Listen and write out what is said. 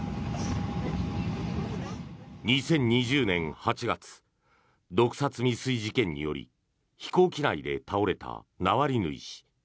２０２０年８月毒殺未遂事件により飛行機内で倒れたナワリヌイ氏。